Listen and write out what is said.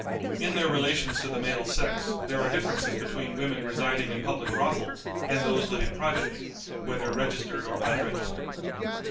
In their relations to the male sex there are differences between women residing in public brothels and those living privately, whether registered or unregistered.